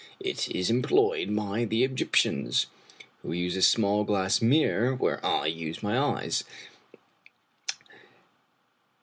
It is employed by the Egyptians, who use a small glass mirror where I use my eyes.